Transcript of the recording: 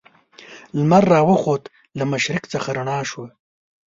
لمر را وخوت له مشرق څخه رڼا شوه.